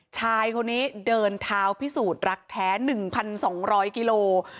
ชายคนนี้เดินเท้าพิสูจน์รักแท้๑๒๐๐กิโล